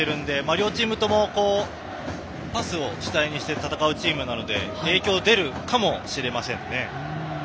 両チームともパスを主体にして戦うチームなので影響、出るかもしれませんね。